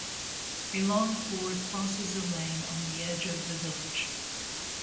A long ford crosses a lane on the edge of the village.